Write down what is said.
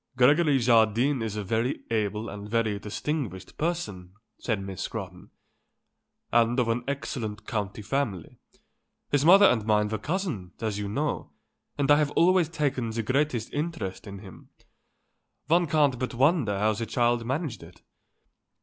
"Gregory Jardine is a very able and a very distinguished person," said Miss Scrotton, "and of an excellent county family. His mother and mine were cousins, as you know, and I have always taken the greatest interest in him. One can't but wonder how the child managed it."